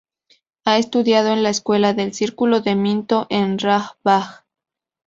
Ha estudiado en la Escuela del Círculo de Minto en Raj Bagh.